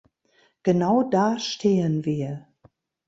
Genau da stehen wir.